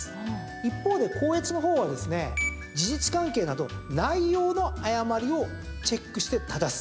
一方で、校閲の方は事実関係など内容の誤りをチェックして正す。